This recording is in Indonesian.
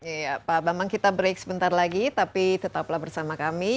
iya pak bambang kita break sebentar lagi tapi tetaplah bersama kami